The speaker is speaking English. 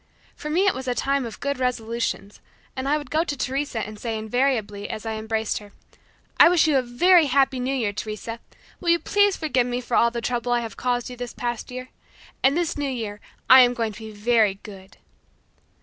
For me it was a time of good resolutions, and I would go to Teresa and say invariably as I embraced her, "I wish you a very happy New Year, Teresa. Will you please forgive me for all the trouble I have caused you this past year? And this new year, I am going to be very good."